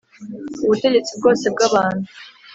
ubutegetsi bwose bw abantu